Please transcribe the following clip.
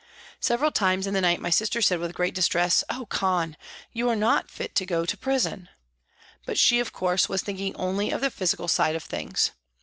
Several times in the night nay sister said with great distress, " Oh ! Con, you are not fit to go to prison ;" but she, of course, was thinking only of the physical side of things.